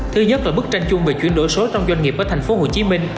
thứ nhất là bức tranh chung về chuyển đổi số trong doanh nghiệp ở tp hcm